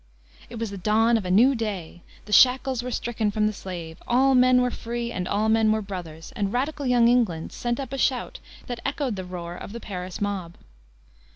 It was the dawn of a new day: the shackles were stricken from the slave; all men were free and all men were brothers, and radical young England sent up a shout that echoed the roar of the Paris mob.